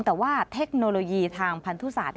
แต่ว่าเทคโนโลยีทางพันธุศาสตร์